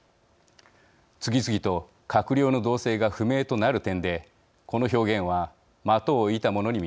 次々と閣僚の動静が不明となる点でこの表現は的を射たものに見えます。